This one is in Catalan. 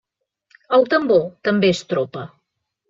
El tambor també és tropa.